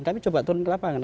tapi coba turun ke lapangan